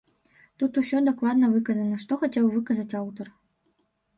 Тут усё дакладна выказана, што хацеў выказаць аўтар.